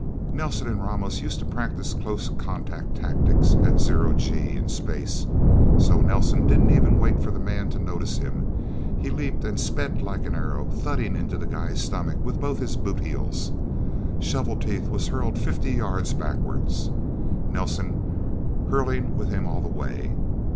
Nelsen and Ramos used to practice close contact tactics at zero G, in space. So Nelsen didn't even wait for the man to notice him. He leaped, and sped like an arrow, thudding into the guy's stomach with both of his boot heels. Shovel Teeth was hurled fifty yards backward, Nelsen hurtling with him all the way.